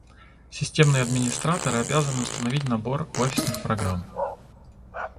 Системные администраторы обязаны установить набор офисных программ